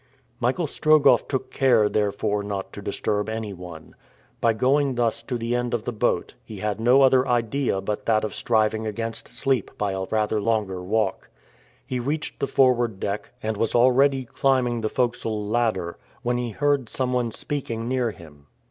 Michael Strogoff took care, therefore, not to disturb anyone. By going thus to the end of the boat, he had no other idea but that of striving against sleep by a rather longer walk. He reached the forward deck, and was already climbing the forecastle ladder, when he heard someone speaking near him.